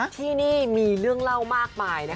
ที่นี่มีเรื่องเล่ามากมาย